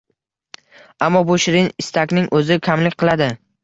Ammo bu shirin istakning o‘zi kamlik qiladi.